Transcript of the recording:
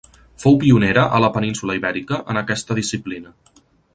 Fou pionera a la península Ibèrica en aquesta disciplina.